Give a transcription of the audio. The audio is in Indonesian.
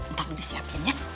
ntar bu siapin ya